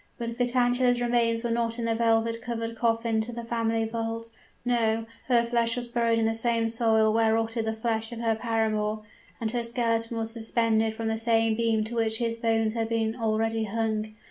But Vitangela's remains went not in the velvet covered coffin to the family vault; no her flesh was buried in the same soil where rotted the flesh of her paramour and her skeleton was suspended from the same beam to which his bones had been already hung.